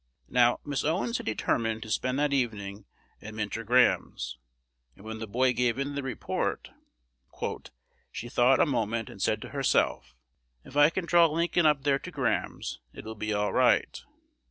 Now, Miss Owens had determined to spend that evening at Minter Graham's; and when the boy gave in the report, "she thought a moment, and said to herself, 'If I can draw Lincoln up there to Graham's, it will be all right.'"